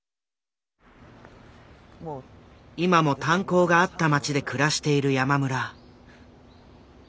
今も炭鉱があった町で暮らしている山村。